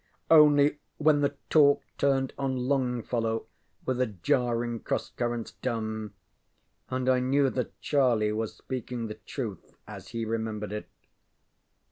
Only when the talk turned on Longfellow were the jarring cross currents dumb, and I knew that Charlie was speaking the truth as he remembered it.